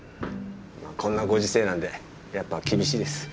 こんなご時世なんでやっぱ厳しいです。